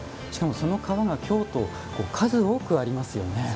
しかもその川が京都数多くありますよね。